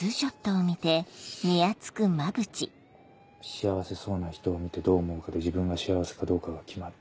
幸せそうな人を見てどう思うかで自分が幸せかどうかが決まる。